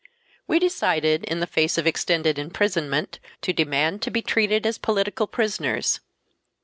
We decided, in the face of extended imprisonment, to demand to be treated as political prisoners.